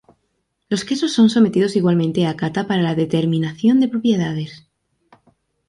Los quesos son sometidos igualmente a cata para la determinación de propiedades.